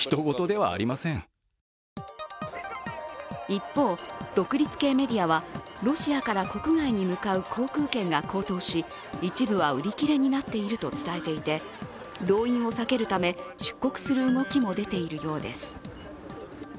一方、独立系メディアはロシアから国外に向かう航空券が高騰し、一部は売り切れになっていると伝えていて動員を避けるため出国する動きも出ているようです。